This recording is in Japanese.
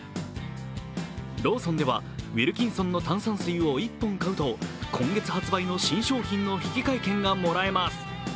ローソンではウィルキンソンの炭酸水を１本買うと今月発売の新商品の引換券がもらえます。